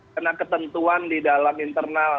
karena ketentuan di dalam internal